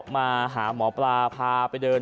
มาหาหมอปลาพาไปเดิน